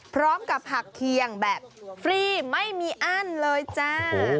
พร้อมกับผักเคียงแบบฟรีไม่มีอั้นเลยจ้า